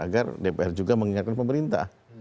agar dpr juga mengingatkan pemerintah